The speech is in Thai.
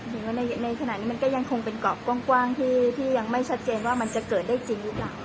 ในขณะนี้มันก็ยังคงเป็นเกาะกว้างที่ยังไม่ชัดเจนว่ามันจะเกิดได้จริงหรือเปล่า